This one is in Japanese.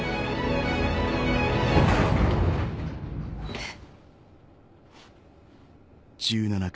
えっ？